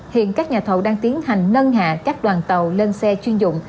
hiện các nhà thầu đang tiến hành nâng hạ các đoàn tàu lên xe chuyên dụng